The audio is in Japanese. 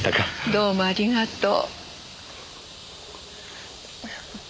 どうもありがとう。